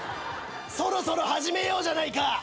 そろそろ始めようじゃないか。